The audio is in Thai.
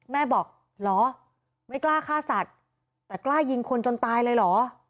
บอกเหรอไม่กล้าฆ่าสัตว์แต่กล้ายิงคนจนตายเลยเหรอ